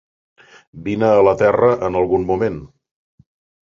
Vine a la Terra en algun moment.